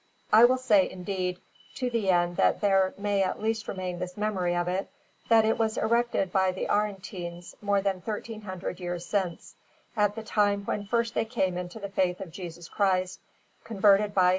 I will say, indeed, to the end that there may at least remain this memory of it, that it was erected by the Aretines more than thirteen hundred years since, at the time when first they came into the faith of Jesus Christ, converted by S.